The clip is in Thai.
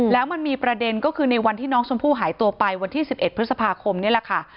แล้วมันมีประเด็นก็คือในวันที่น้องชมพู่หายตัวไปวันที่๑๑พฤษภาคมนี่แหละค่ะ